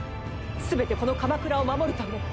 全てこの鎌倉を守るため。